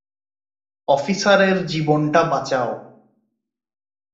অফিসারের জীবনটা বাঁচাও!